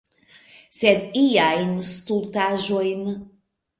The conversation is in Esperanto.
Sed iajn stultaĵojn.